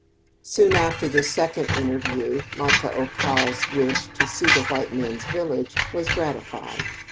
Soon after this second interview, Ma ta oka's wish to see the white man's village was gratified.